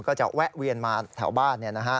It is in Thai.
ก็จะแวะเวียนมาแถวบ้าน